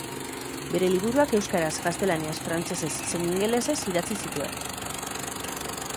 Bere liburuak euskaraz, gaztelaniaz, frantsesez zein ingelesez idatzi zituen.